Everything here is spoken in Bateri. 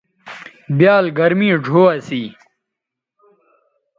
بیال گرمی ڙھو اسی